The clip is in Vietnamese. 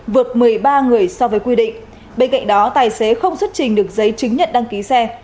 vượt một mươi ba người so với quy định bên cạnh đó tài xế không xuất trình được giấy chứng nhận đăng ký xe